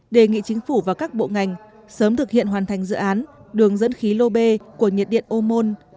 đề nghị chính phủ và các bộ ngành sớm thực hiện hoàn thành dự án đường dẫn khí lô bê của nhiệt điện ô môn